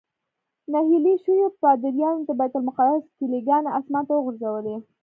نهیلي شویو پادریانو د بیت المقدس کیلي ګانې اسمان ته وغورځولې.